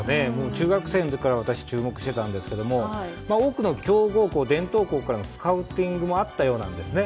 中学生の時から私、注目していましたが多くの強豪校、伝統校からのスカウティングもあったようなんですね。